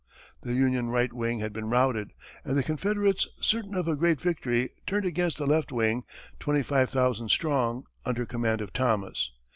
The Union right wing had been routed, and the Confederates, certain of a great victory, turned against the left wing, twenty five thousand strong, under command of Thomas.